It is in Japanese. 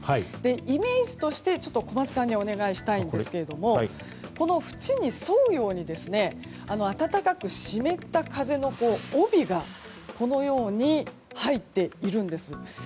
イメージとして小松さんにお願いしたいんですがこの縁に沿うように暖かく湿った風の帯がこのように入っているんです。